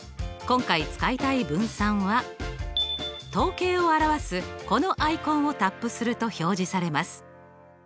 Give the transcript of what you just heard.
今回使いたい分散は統計を表すこのアイコンをタップすると表示されます。